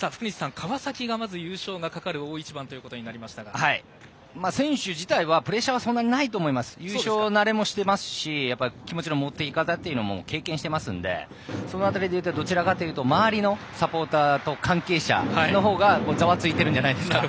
川崎が優勝が懸かる選手自体はプレッシャーはそんなにないと思いますし優勝慣れもしていますし気持ちを持っていき方も経験していますので、その辺りでいうとどちらかといったら周りのサポーターと関係者のほうがざわついているんじゃないですか。